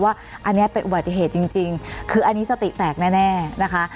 ว่าอันนี้เป็นอุบัติเหตุจริงคืออันนี้สติแตกแน่นะคะ